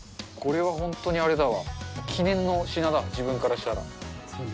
これは本当に、あれだわ記念の品だ、自分からしたら。